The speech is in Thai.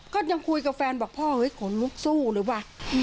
ก็ยังคุยกับแฟนบอกพ่อเฮ้ยขนลุกสู้เลยวะ